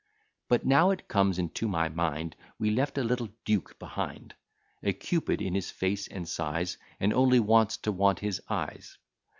But, now it comes into my mind, We left a little duke behind; A Cupid in his face and size, And only wants, to want his eyes.